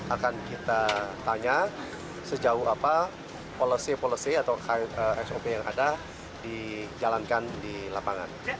akan kita tanya sejauh apa policy policy atau sop yang ada dijalankan di lapangan